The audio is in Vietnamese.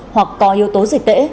hoặc có yếu tố dịch tễ